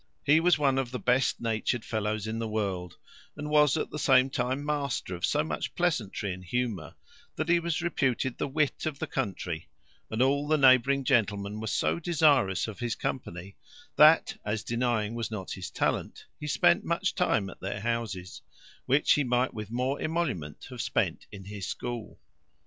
He was one of the best natured fellows in the world, and was, at the same time, master of so much pleasantry and humour, that he was reputed the wit of the country; and all the neighbouring gentlemen were so desirous of his company, that as denying was not his talent, he spent much time at their houses, which he might, with more emolument, have spent in his school.